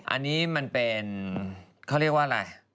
อันนี้มันเป็นเขาเรียกว่าอะไร